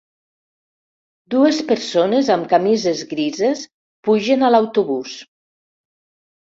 Dues persones amb camises grises pugen a l'autobús.